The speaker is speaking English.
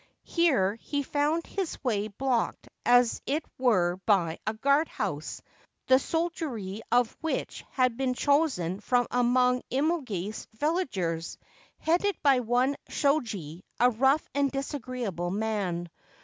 Here he found his way blocked as it were by a guard house, the soldiery of which had been chosen from among Imogase villagers, headed by one Shoji, a rough and disagreeable man.